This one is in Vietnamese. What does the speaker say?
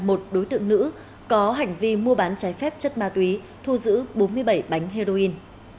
một đối tượng nữ có hành vi mua bán trái phép chất ma túy thu giữ bốn mươi bảy bánh heroin